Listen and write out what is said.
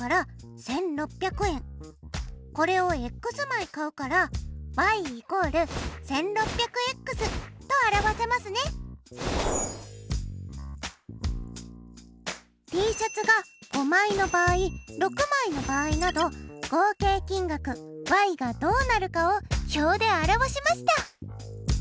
これを枚買うからＴシャツが５枚の場合６枚の場合など合計金額がどうなるかを表で表しました。